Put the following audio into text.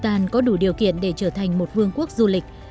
an có đủ điều kiện để trở thành một vương quốc du lịch